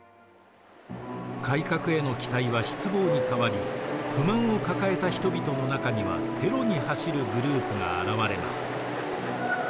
改革への期待は失望に変わり不満を抱えた人々の中にはテロに走るグループが現れます。